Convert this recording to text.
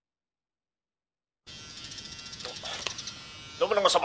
「信長様